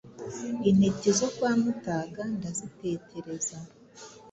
Intiti zo kwa Mutaga ndazitetereza.